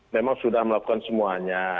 memang sudah melakukan semuanya